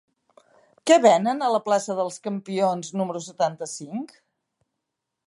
Què venen a la plaça dels Campions número setanta-cinc?